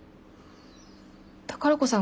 宝子さん